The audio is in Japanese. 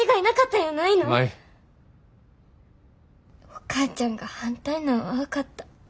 お母ちゃんが反対なんは分かった。